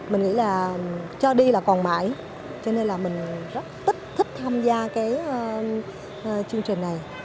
mình nghĩ là cho đi là còn mãi cho nên là mình rất thích tham gia cái chương trình này